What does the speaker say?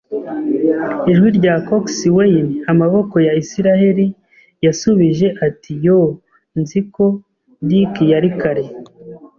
Ijwi rya coxswain, Amaboko ya Isiraheli yasubije ati: "Yoo, nzi ko Dick yari kare".